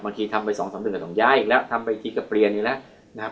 บางทีทำไปสองสามเป็นแต่สองย้ายอีกแล้วทำไปอีกทีก็เปลี่ยนอีกแล้วนะครับ